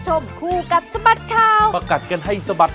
สวัสดีครับ